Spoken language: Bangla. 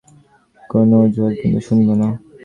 কোন অজুহাত কিন্তু শুনবো না।